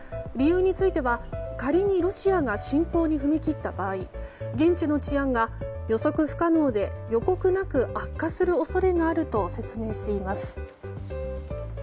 理由については、仮にロシアが侵攻に踏み切った場合現地の治安が予測不可能で予告なく悪化する恐れがあると説明しています。